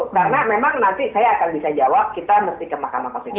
karena memang nanti saya akan bisa jawab kita mesti ke mahkamah konstitusi